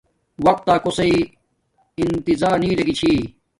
وقت تا کوسݵ انظار نی ارے گی چھی